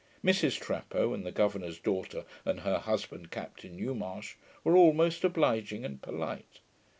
Mrs Trapaud, and the governour's daughter, and her husband. Captain Newmarsh, were all most obliging and polite.